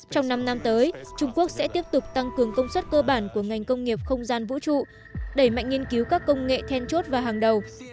trong năm năm tới trung quốc sẽ tiếp tục tăng cường công suất cơ bản của ngành công nghiệp không gian vũ trụ đẩy mạnh nghiên cứu các công nghệ then chốt và hàng đầu